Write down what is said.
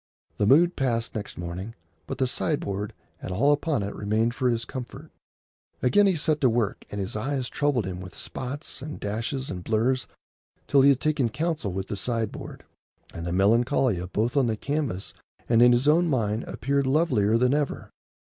The mood passed next morning, but the sideboard and all upon it remained for his comfort. Again he set to work, and his eyes troubled him with spots and dashes and blurs till he had taken counsel with the sideboard, and the Melancolia both on the canvas and in his own mind appeared lovelier than ever.